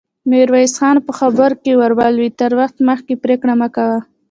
ميرويس خان په خبره کې ور ولوېد: تر وخت مخکې پرېکړه مه کوه!